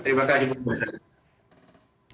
terima kasih pak menteri